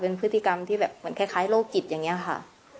เป็นพฤติกรรมที่แบบคล้ายโลกกิจอย่างเงี้ยค่ะ